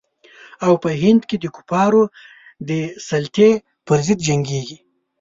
او په هند کې د کفارو د سلطې پر ضد جنګیږي.